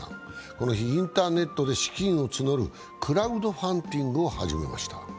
この日、インターネットで資金を募る、クラウドファンディングを始めました。